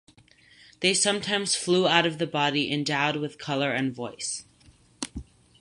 They sometimes flew out of the body endowed with color and voice.